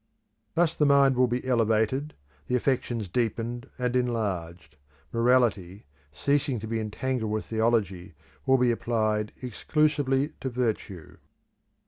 Thus the mind will be elevated, the affections deepened and enlarged; morality, ceasing to be entangled with theology, will be applied exclusively to virtue.